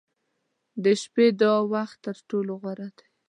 • د شپې د دعا وخت تر ټولو غوره دی.